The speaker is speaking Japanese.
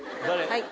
はい。